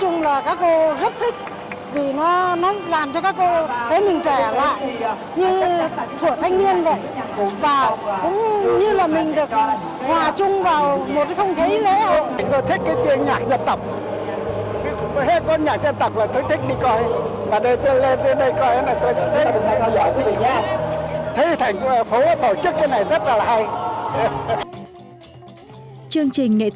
nói chung là các cô rất thích vì nó làm cho các cô thấy mình trẻ lại như thủa thanh niên vậy